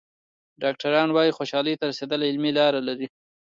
ډاکټران وايي خوشحالۍ ته رسېدل علمي لاره لري.